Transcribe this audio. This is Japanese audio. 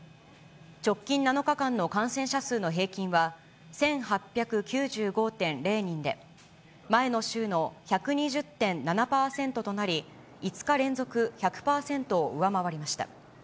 直近７日間の感染者数の平均は１８９５．０人で、前の週の１２０．７％となり、５日連続、１００％を上回りました。